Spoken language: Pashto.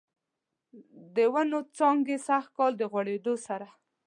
د ونوو څانګې سږکال، د غوړیدو سره